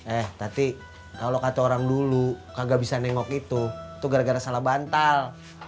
eh tadi kalau kata orang dulu kagak bisa nengok itu itu gara gara salah bantal